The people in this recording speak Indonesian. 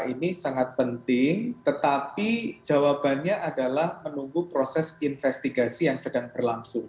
ini sangat penting tetapi jawabannya adalah menunggu proses investigasi yang sedang berlangsung